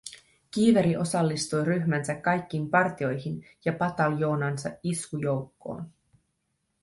Kiiveri osallistui ryhmänsä kaikkiin partioihin ja pataljoonansa iskujoukkoon